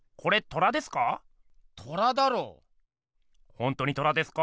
ほんとに虎ですか？